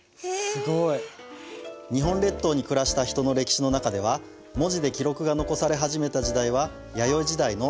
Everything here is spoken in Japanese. すごい！日本列島に暮らした人の歴史の中では文字で記録が残され始めた時代は弥生時代の中頃です。